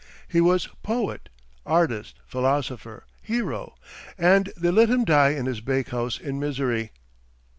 He was poet, artist, philosopher, hero, and they let him die in his bakehouse in misery.